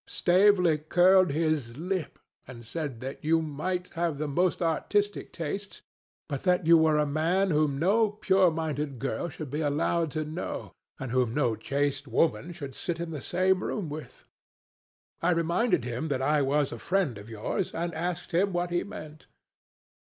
Staveley curled his lip and said that you might have the most artistic tastes, but that you were a man whom no pure minded girl should be allowed to know, and whom no chaste woman should sit in the same room with. I reminded him that I was a friend of yours, and asked him what he meant.